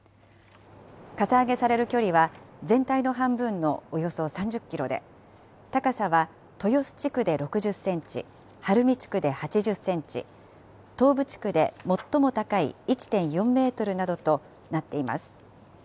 かさ上げされる距離は、全体の半分のおよそ３０キロで、高さは豊洲地区で６０センチ、晴海地区で８０センチ、東部地区で最も高い１．４メートルなどとなっています。